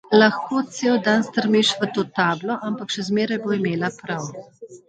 Lahko cel dan strmiš v to tablo, ampak še zmeraj bo imela prav.